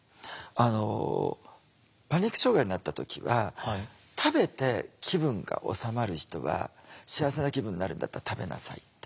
あのパニック障害になった時は食べて気分が治まる人は幸せな気分になるんだったら食べなさいって。